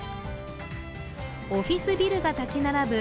オフィスビルが立ち並ぶ